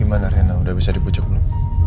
gimana rina udah bisa dipujuk belum